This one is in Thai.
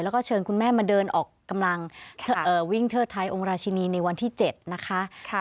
แล้วก็เชิญคุณแม่มาเดินออกกำลังวิ่งเทิดไทยองค์ราชินีในวันที่๗นะคะ